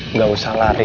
nggak usah lari